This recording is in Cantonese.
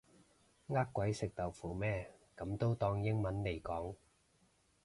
呃鬼食豆腐咩噉都當英文嚟講